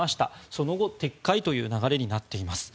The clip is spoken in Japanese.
その後、撤回という流れになっています。